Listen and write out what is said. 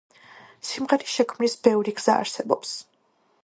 სიმღერის შექმნის ბევრი გზა არსებობს.